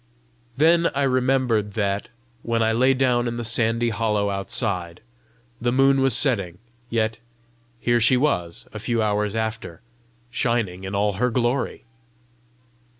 Then I remembered that, when I lay down in the sandy hollow outside, the moon was setting; yet here she was, a few hours after, shining in all her glory!